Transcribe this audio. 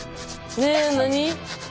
ねえ何？